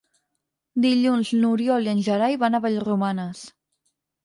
Dilluns n'Oriol i en Gerai van a Vallromanes.